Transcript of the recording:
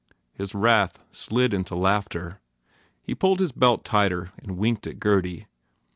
His wrath slid into laughter. He pulled his belt tighter and winked at Gurdy.